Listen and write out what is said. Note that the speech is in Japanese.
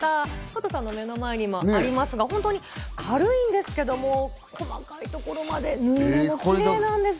加藤さんの目の前にもありますが、本当に軽いんですけれども、細かいところまで縫い目もキレイなんです。